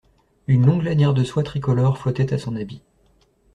Une longue lanière de soie tricolore flottait à son habit.